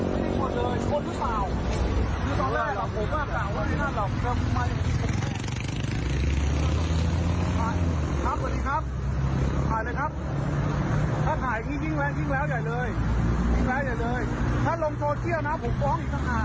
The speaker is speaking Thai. เพราะผมไม่ได้พูดตั้งแต่ที่แรก